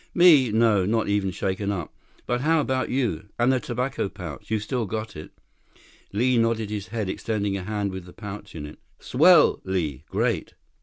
"Me? No. Not even shaken up. But how about you? And the tobacco pouch. You've still got it?" Li nodded his head, extending a hand with the pouch in it. "Swell, Li. Great.